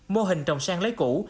mô hình trồng sen lấy củ